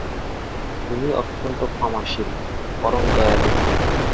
তুমি অত্যন্ত ক্ষমাশীল, পরম দয়ালু।